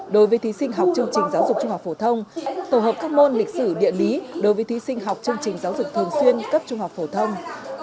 đối với thí sinh học chương trình giáo dục trung học phổ thông tổ hợp các môn lịch sử địa lý đối với thí sinh học chương trình giáo dục thường xuyên cấp trung học phổ thông